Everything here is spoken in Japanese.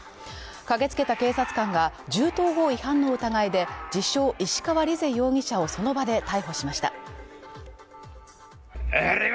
駆けつけた警察官が銃刀法違反の疑いで自称・石川莉世容疑者をその場で逮捕しました。